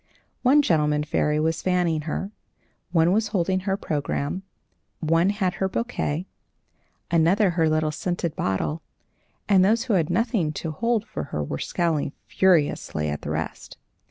One gentleman fairy was fanning her, one was holding her programme, one had her bouquet, another her little scent bottle, and those who had nothing to hold for her were scowling furiously at the rest.